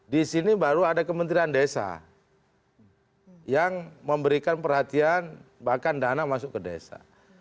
di sini baru ada kementerian desa yang memberikan perhatian bahkan dana masuk ke desa